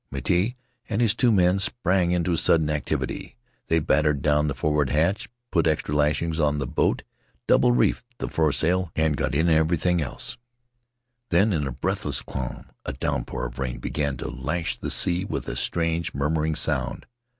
Miti and his two men sprang into a sudden activity; they battened down the forward hatch, put Aboard the Potii Ravarava extra lashings on the boat, double reefed the foresail, and got in everything else. Then, in the breathless calm, a downpour of rain began to lash the sea with a strange, murmuring sound.